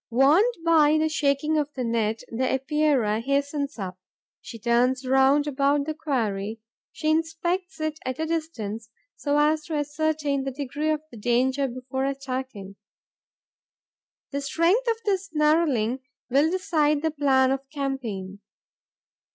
Warned by the shaking of the net, the Epeira hastens up; she turns round about the quarry; she inspects it at a distance, so as to ascertain the extent of the danger before attacking. The strength of the snareling will decide the plan of campaign.